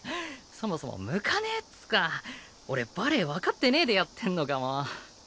そもそも向かねぇっつか俺バレエ分かってねぇでやってんのかも。